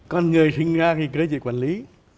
con người sinh ra khi cơ chế quản lý